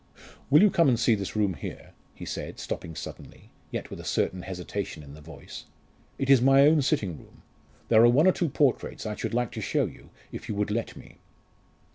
"Will you come and see this room here?" he said, stopping suddenly, yet with a certain hesitation in the voice. "It is my own sitting room. There are one or two portraits I should like to show you if you would let me."